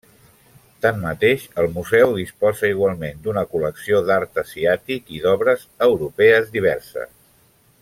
Tanmateix, el museu disposa igualment d'una col·lecció d'art asiàtic i d'obres europees diverses.